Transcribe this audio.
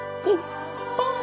ポン。